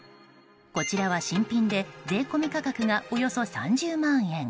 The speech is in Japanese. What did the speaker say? こちらは新品で税込み価格がおよそ３０万円。